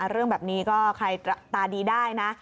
เรื่องแบบนี้ก็ใครตาดีได้นะ